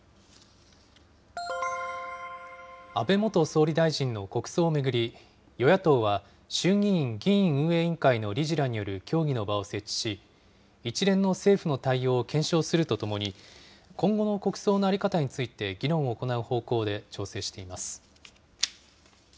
安倍元総理大臣の国葬を巡り、与野党は、衆議院議院運営委員会の理事らによる協議の場を設置し、一連の政府の対応を検証するとともに、今後の国葬の在り方について、議論を行う方向で調整しています。